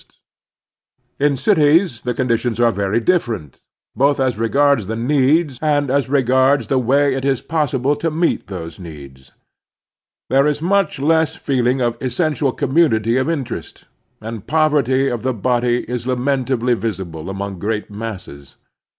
9^ The Strenuous Life In cities the conditions are very different, both as regards the needs and as regards the way it is possible to meet these needs. There is much less feeling of essential commtinity of interest, and poverty of the body is lamentably visible among great masses.